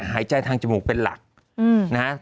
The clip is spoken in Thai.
หายใจทางจมูกเป็นหลักนะฮะ